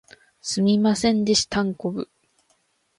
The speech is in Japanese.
すみませんでしたんこぶ